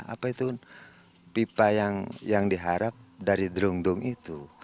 apa itu pipa yang diharap dari drumdung itu